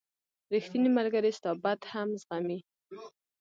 • ریښتینی ملګری ستا بد هم زغمي.